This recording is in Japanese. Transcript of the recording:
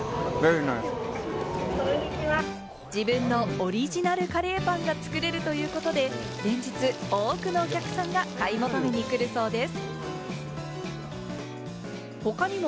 自分のオリジナルカレーパンが作れるということで、連日多くのお客さんが買い求めに来るそうです。